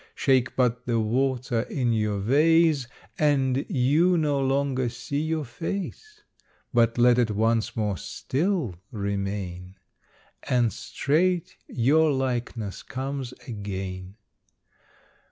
Shake but the water in your vase, And you no longer see your face; But let it once more still remain, And straight your likeness comes again.